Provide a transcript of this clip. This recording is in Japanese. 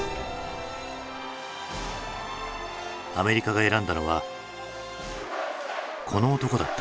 アメリカが選んだのはこの男だった。